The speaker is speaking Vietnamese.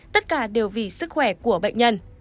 tất cả đều vì sức khỏe của bệnh nhân